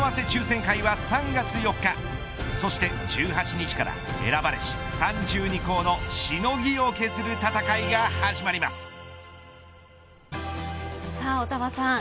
抽選会は３月４日そして１８日から選ばれし３２校のしのぎを削る戦いが始まります。